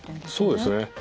そうですね。